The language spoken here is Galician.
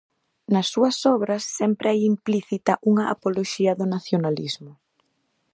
Nas súas obras hai sempre implícita unha apoloxía do nacionalismo.